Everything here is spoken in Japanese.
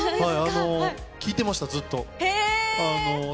聴いてました、ずっと。